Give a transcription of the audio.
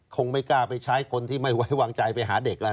คงไม่กล้าไปใช้คนที่ไม่ไว้วางใจไปหาเด็กแล้ว